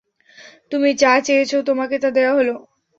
তুমি যা চেয়েছ তোমাকে তা দেয়া হল।